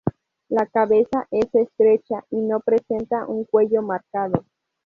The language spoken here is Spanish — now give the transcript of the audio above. La cabeza es estrecha, y no presenta un cuello marcado.